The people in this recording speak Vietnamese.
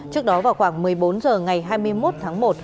trước đó vào khoảng một mươi bốn h ngày hai mươi một tháng một